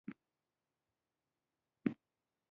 فعال کس مسوليت اخلي.